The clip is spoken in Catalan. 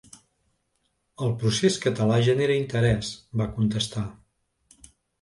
El procés català genera interès, va constatar.